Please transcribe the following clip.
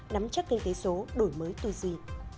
nắm chắc kinh tế số đổi mới tùy duy